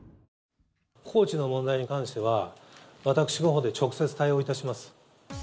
高知の問題に関しては、私のほうで直接対応いたします。